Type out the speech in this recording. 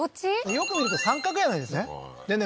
よく見ると三角屋根ですねでね